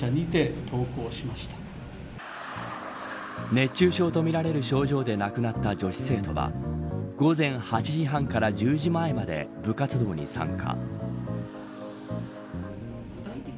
熱中症とみられる症状で亡くなった女子生徒は午前８時半から１０時前まで部活動に参加。